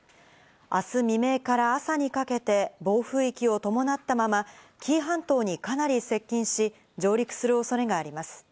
あす未明から朝にかけて暴風域を伴ったまま、紀伊半島にかなり接近し、上陸するおそれがあります。